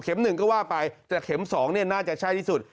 หนึ่งก็ว่าไปแต่เข็ม๒น่าจะใช่ที่สุด